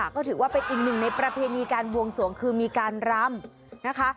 ก็ถือว่าเป็นอีกหนึ่งในประเพณีการบวงสวงคือมีการรำนะคะ